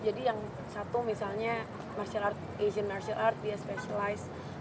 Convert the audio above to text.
jadi yang satu misalnya martial art asian martial art dia specialized